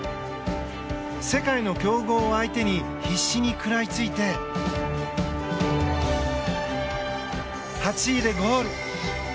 世界の強豪を相手に必死に食らいついて８位でゴール。